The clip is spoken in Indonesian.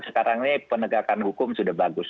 sekarang ini penegakan hukum sudah bagus